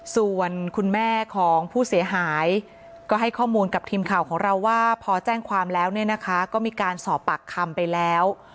ส่วนคุณแม่ของผู้เสียหายก็ให้ข้อมูลกับทีมข่าวของเราว่าพอแจ้งความแล้วเนี่ยนะคะก็มีการสอบปากคำไปแล้ว